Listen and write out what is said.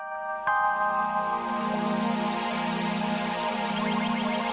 ayah minta ganti rugi